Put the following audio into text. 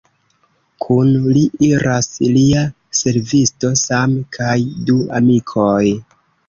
Kun li iras lia servisto Sam kaj du amikoj.